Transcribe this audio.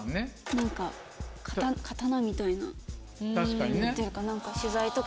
何か刀みたいな持ってるから。